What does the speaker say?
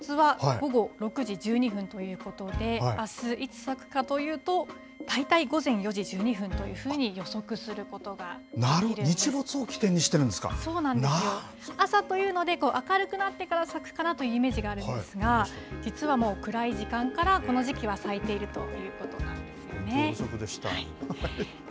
例えば、きょうの東京の日没は午後６時１２分ということで、あす、いつ咲くかというと、大体午前４時１２分というふうに予測するこなるほど、日没を起点にしてそうなんですよ。朝というので明るくなってから咲くかなというイメージがあるんですが、実はもう暗い時間からこの時期は咲いているということなん勉強不足でした。